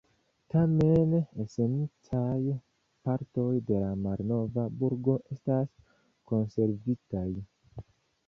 Tamen esencaj partoj de la malnova burgo estas konservitaj.